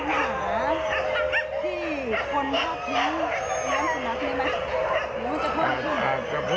แล้วคิดว่ามันจะช่วยแก้ปัญหา